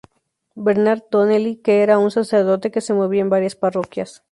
Bernard Donnelly que era un sacerdote que se movía en varias parroquias.